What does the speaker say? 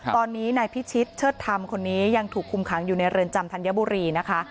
ตอนนี้นายพิชิตเชิดธรรมคนนี้ยังถูกคุมขังอยู่ในเรือนจำธัญบุรีนะคะ